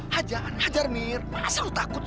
hajar hajar mir masa lu takut sih